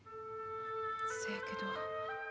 そやけど。